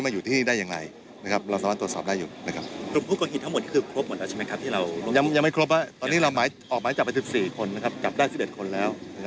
คุณผู้ต้องหารายสำคัญอย่างในม็งนะค่ะ